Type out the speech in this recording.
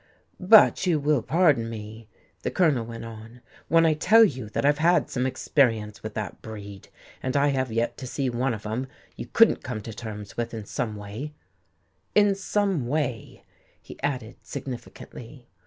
"But you will pardon me," the Colonel went on, "when I tell you that I've had some experience with that breed, and I have yet to see one of 'em you couldn't come to terms with in some way in some way," he added, significantly.